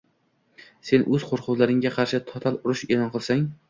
sen o‘z qo‘rquvlaringga qarshi total urush e’lon qilsang